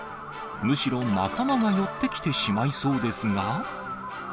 むしろ、仲間が寄ってきてしまいそうですが。